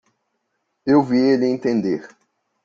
Eu vi ele entender.